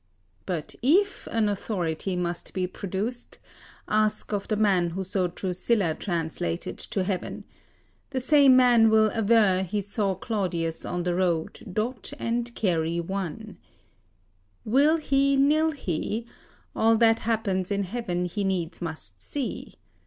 But if an authority must be produced, ask of the man who saw Drusilla translated to heaven: the same man will aver he saw Claudius on the road, dot and carry one. [Sidenote: Virg. Aen. ii, 724] Will he nill he, all that happens in heaven he needs must see.